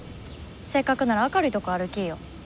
せっかくなら明るいとこ歩きーよ。